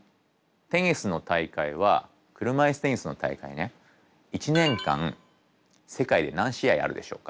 テニスの大会は車いすテニスの大会ね１年間世界で何試合あるでしょうか？